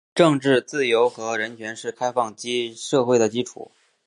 政治自由和人权是开放社会的基础。